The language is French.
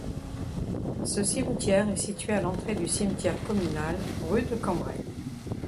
Ce cimetière est situé à l'entrée du cimetière communal, rue de Cambrai.